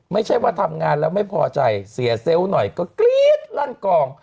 ไม่ใช่ว่าทำงานแล้วไม่พอใจเสียเซลล์หน่อยก็กรี๊ดลั่นกอง